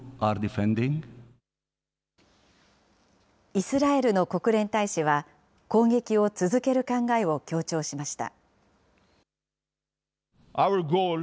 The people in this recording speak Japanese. イスラエルの国連大使は、攻撃を続ける考えを強調しました。